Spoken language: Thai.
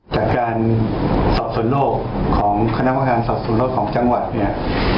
จากการสอบส่วนโลกของคณะประการสอบสวนโรคของจังหวัดเนี่ย